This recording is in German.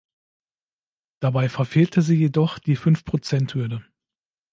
Dabei verfehlte sie jedoch die Fünfprozenthürde.